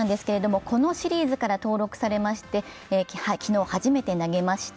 このシリーズから登録されまして昨日初めて投げました。